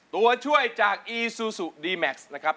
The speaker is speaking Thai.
ตัวช่วยจากอีซูซูดีแม็กซ์นะครับ